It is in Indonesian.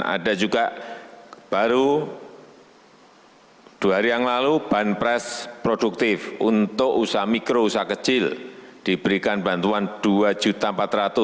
ada juga baru dua hari yang lalu banpres produktif untuk usaha mikro usaha kecil diberikan bantuan rp dua empat ratus